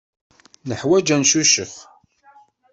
Neḥwaj ad neccucef.